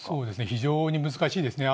非常に難しいですね。